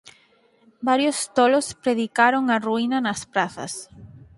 Varios tolos predicaron a ruína nas prazas.